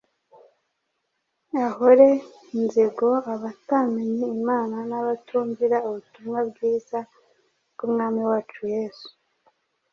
ahore inzigo abatamenye Imana n’abatumvira ubutumwa bwiza bw’Umwami wacu Yesu